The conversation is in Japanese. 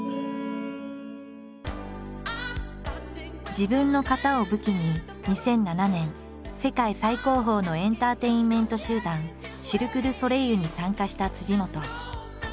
自分の型を武器に２００７年世界最高峰のエンターテインメント集団シルク・ドゥ・ソレイユに参加した本。